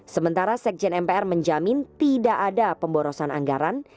sementara sekjen mpr menjamin tidak ada pemborosan anggaran